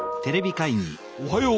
おはよう。